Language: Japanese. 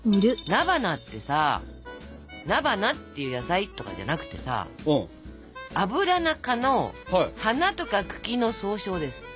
菜花ってさ菜花っていう野菜とかじゃなくてさアブラナ科の花とか茎の総称です。